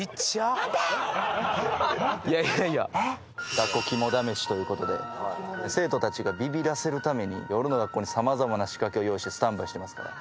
学校きもだめしということで生徒たちがビビらせるために夜の学校に様々な仕掛けを用意してスタンバイしてますから。